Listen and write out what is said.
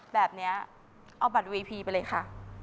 แบบนี้เอาบัตรวีพีไปเลยค่ะ